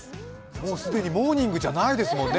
もう既にモーニングじゃないですもんね。